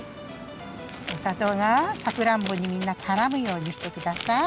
おさとうがさくらんぼにみんなからむようにしてください。